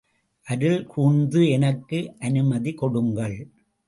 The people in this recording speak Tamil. அருள்கூர்ந்து எனக்கு அனுமதி கொடுங்கள்.